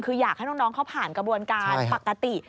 คืออยากให้น้องเขาผ่านกระบวนการปกติ